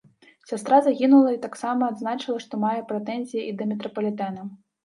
Сястра загінулай таксама адзначыла, што мае прэтэнзіі і да метрапалітэна.